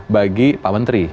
bagi pak menteri